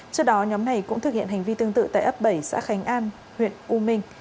trước đó nhóm này cũng thực hiện hành vi tương tự tại ấp bảy xã khánh an huyện u minh